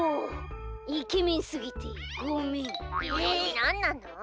なんなの？